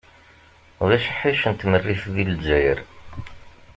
Ulac aḥric n tmerrit deg Lezzayer.